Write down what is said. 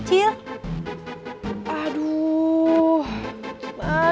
cil udah mau